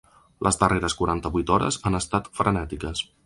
Les darreres quaranta-vuit hores han estat frenètiques.